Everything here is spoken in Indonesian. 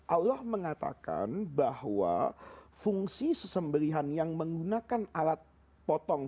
allah mengatakan bahwa fungsi sesembelihan yang menggunakan alat potong